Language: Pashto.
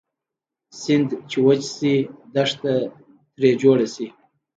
سیند چې وچ شي دښته تري جوړه شي